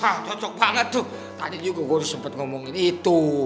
hah cocok banget tuh tadi juga gua harus sempet ngomongin itu